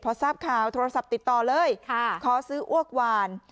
พอทราบข่าวโทรศัพท์ติดต่อเลยขอซื้ออ้วกหวาน